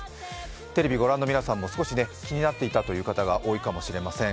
テレビをご覧の皆さんも少し気になっていた方が多いかもしれません。